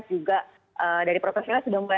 juga dari profesional sudah mulai